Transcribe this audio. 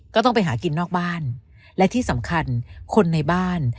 ก็ต้องไปหากินนอกบ้านและที่สำคัญคนในบ้าน